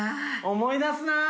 思い出すな。